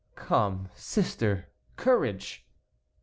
"Come, sister, courage."